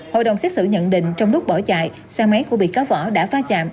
hội đồng xác xử nhận định trong lúc bỏ chạy xe máy của bị cáo vỏ đã va chạm